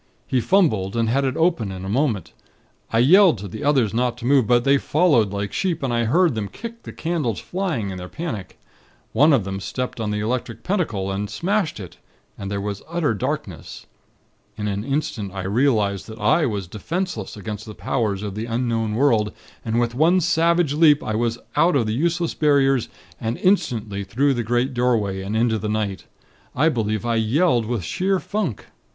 He fumbled, and had it open in a moment. I yelled to the others not to move; but they followed like sheep, and I heard them kick the candles flying, in their panic. One of them stepped on the Electric Pentacle, and smashed it, and there was an utter darkness. In an instant, I realized that I was defenseless against the powers of the Unknown World, and with one savage leap I was out of the useless Barriers, and instantly through the great doorway, and into the night. I believe I yelled with sheer funk.